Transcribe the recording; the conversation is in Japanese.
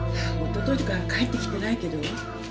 一昨日から帰ってきてないけど。